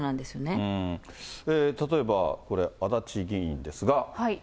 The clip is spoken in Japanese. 例えば、足立議員ですが。